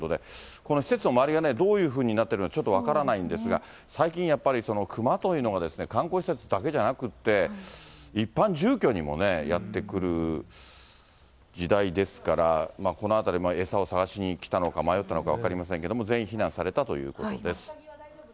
この施設の周りがどういうふうになってるのか、ちょっと分からないんですが、最近やっぱり、クマというのが観光施設だけじゃなくって、一般住居にもね、やって来る時代ですから、この辺り、えさを探しに来たのか、迷ったのか分かりませんけども、全員避難されたということです。